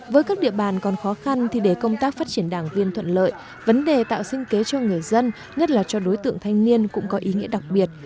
với các địa bàn còn khó khăn thì để công tác phát triển đảng viên thuận lợi vấn đề tạo sinh kế cho người dân nhất là cho đối tượng thanh niên cũng có ý nghĩa đặc biệt